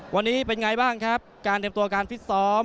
วันนี้เป็นไงบ้างครับการเตรียมตัวการฟิตซ้อม